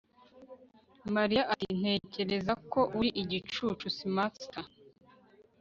Mariya ati Ntekereza ko uri igicucu Spamster